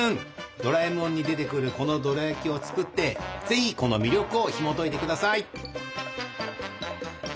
ドラえもんに出てくるこのドラやきを作ってぜひこの魅力をひもといて下さい！